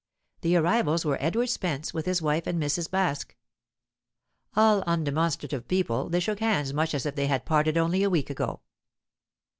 The arrivals were Edward Spence, with his wife and Mrs. Baske. All undemonstrative people, they shook hands much as if they had parted only a week ago.